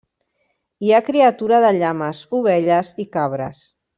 Hi ha criatura de llames, ovelles i cabres.